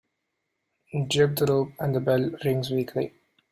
Jerk the rope and the bell rings weakly.